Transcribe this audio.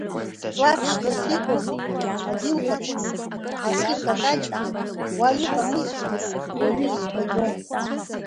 Ҵла ԥшӡас иҟоу зегьы, агьыл ҟаԥшьқәеи аҳаскьын какаҷқәеи уа иҟамызҳәа оҩы изҳәаӡом.